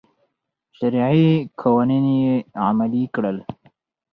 شرعي قوانین یې عملي کړل.